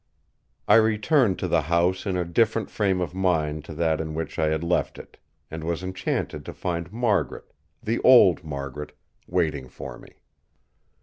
I returned to the house in a different frame of mind to that in which I had left it; and was enchanted to find Margaret—the old Margaret—waiting for me.